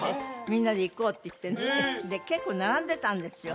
みんなで行こうっていってねへえ結構並んでたんですよ